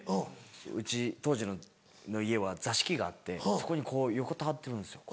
うち当時の家は座敷があってそこに横たわってるんですよ。